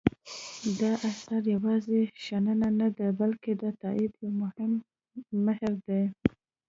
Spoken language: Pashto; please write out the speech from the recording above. دا اثر یوازې شننه نه دی بلکې د تاکید یو مهم مهر دی.